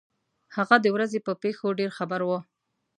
هغه د ورځې په پېښو ډېر خبر وو.